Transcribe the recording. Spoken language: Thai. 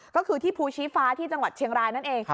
ก็คือที่ภูชีฟ้าที่จังหวัดเชียงรายนั่นเอง